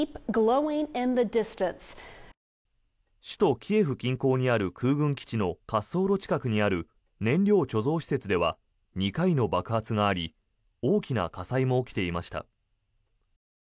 首都キエフ近郊にある空軍基地の滑走路近くにある燃料貯蔵施設では２回の爆発があり大きな火災も起きていました。